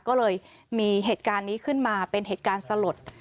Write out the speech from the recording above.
ก็เลยมีเหตุการณ์นี้ขึ้นมาเป็นเหตุการณ์สลด